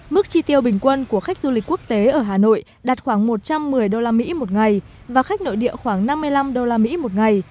mức chi tiêu bình quân của khách du lịch quốc tế ở hà nội đạt khoảng một trăm một mươi usd một ngày và khách nội địa khoảng năm mươi năm usd một ngày